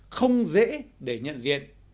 không dễ để nhận diện